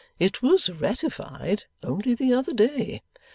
It was ratified only the other day.